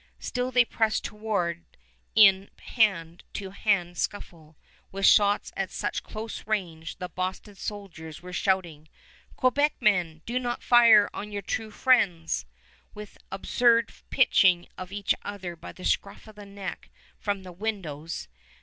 Still they pressed toward in hand to hand scuffle, with shots at such close range the Boston soldiers were shouting, "Quebec men, do not fire on your true friends!" with absurd pitching of each other by the scruff of the neck from the windows.